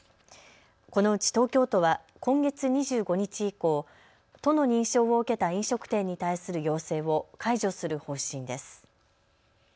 このうち東京都は今月２５日以降、都の認証を受けた飲食店に対する要請を解除する方針です。